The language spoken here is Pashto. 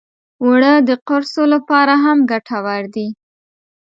اوړه د قرصو لپاره هم ګټور دي